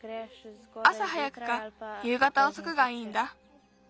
あさ早くかゆうがたおそくがいいんだ。